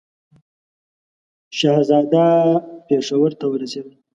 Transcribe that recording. شهزاده پېښور ته ورسېدی.